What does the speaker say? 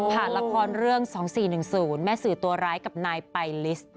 ละครเรื่อง๒๔๑๐แม่สื่อตัวร้ายกับนายไปลิส